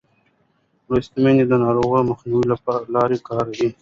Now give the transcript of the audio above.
لوستې میندې د ناروغۍ مخنیوي لارې کاروي.